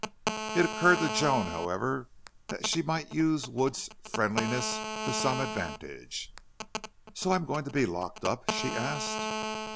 It occurred to Joan, however, that she might use Wood's friendliness to some advantage. "So I'm to be locked up?" she asked.